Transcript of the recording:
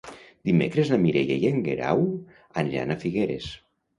Dimecres na Mireia i en Guerau aniran a Figueres.